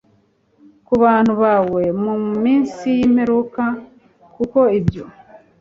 ku bantu bawe mu minsi y imperuka kuko ibyo